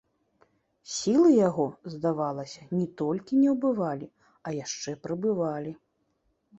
Сілы яго, здавалася, не толькі не ўбывалі, а яшчэ прыбывалі.